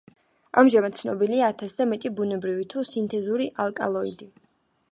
ამჟამად ცნობილია ათასზე მეტი ბუნებრივი თუ სინთეზური ალკალოიდი.